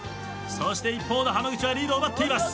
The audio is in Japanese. そして一方の濱口はリードを奪っています。